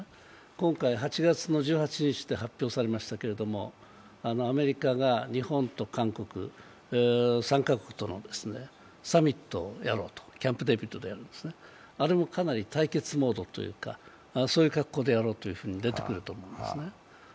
今回８月の１８日と発表されましたけれども、アメリカが、日本と韓国３か国とのサミットをキャンプ・デービッドでやろうと、あれもかなり対決モードというかそういう格好でやろうというふうに出てくると思いますね。